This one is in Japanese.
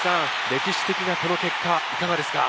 歴史的なこの結果いかがですか？